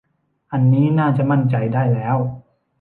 อันนี้น่าจะมั่นใจได้แล้ว